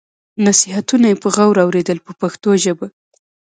نصیحتونه یې په غور اورېدل په پښتو ژبه.